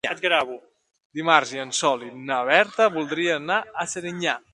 Dimarts en Sol i na Berta voldrien anar a Serinyà.